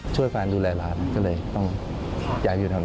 ช่วยแฟนดูแลร้านก็เลยต้องอยู่เท่านั้น